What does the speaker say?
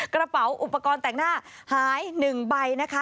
กระเป๋าอุปกรณ์แต่งหน้าหาย๑ใบนะคะ